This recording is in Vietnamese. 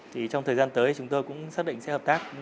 thì trong thời gian tới chúng tôi cũng xác định sẽ hợp tác